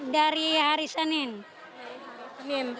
dari hari senin